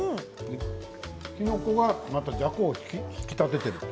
きのこが、またじゃこを引き立てている。